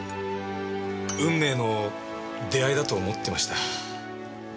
運命の出会いだと思ってました。